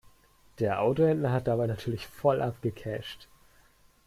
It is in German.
Der Autohändler hat dabei natürlich voll abgecasht.